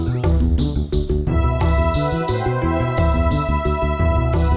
iwan ada yang royok